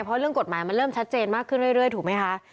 เพราะเรื่องกฎหมายมันเริ่มชัดเจนมากขึ้นเรื่อยถูกไหมคะ